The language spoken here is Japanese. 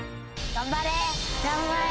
頑張れ。